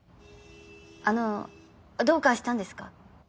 あのどうかしたんですか？